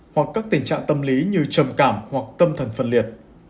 hoặc các tình trạng tâm lý như trầm cảm hoặc tâm thần phân liệt